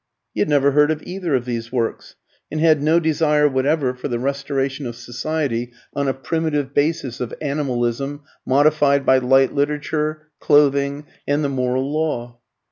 He had never heard of either of these works, and had no desire whatever for the restoration of society on a primitive basis of animalism, modified by light literature, clothing, and the moral law.